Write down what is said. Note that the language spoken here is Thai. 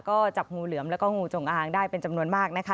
ก็จับงูเหลือมแล้วก็งูจงอางได้เป็นจำนวนมากนะคะ